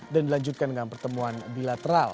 dan dilanjutkan dengan pertemuan bilateral